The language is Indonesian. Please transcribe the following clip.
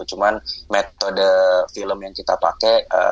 cuman metode film yang kita pakai